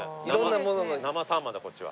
生サンマだこっちは。